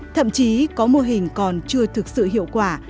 thậm chí có mô hình còn chưa thực sự hiệu quả